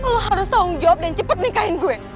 lo harus tahu ngejawab dan cepet nikahin gue